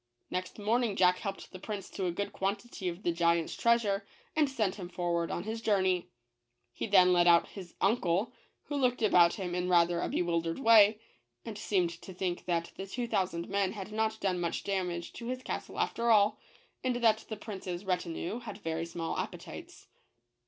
Next morning Jack helped the prince to a good quantity of the giant's treasure, and sent him forward on his journey He then let out his " uncle," who looked about him in rather a bewildered way, and seemed to think that the two thousand men had not done much damage to his castle after °.,. TURNING THE KEY ON THE GIANT. all, and that the princes retinue had very small appetites.